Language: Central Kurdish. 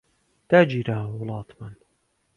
داگیراوە وڵاتمان